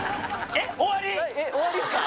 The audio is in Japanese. えっ終わりですか？